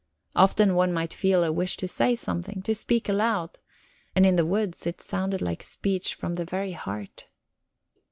Often one might feel a wish to say something, to speak aloud, and in the woods it sounded like speech from the very heart...